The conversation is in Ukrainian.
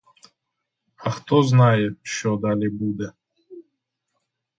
А хто знає, що далі буде?